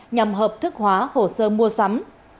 nhằm hợp thức hóa hồ sơ mua sắm